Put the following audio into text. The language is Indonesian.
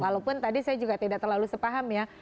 walaupun tadi saya juga tidak terlalu sepaham ya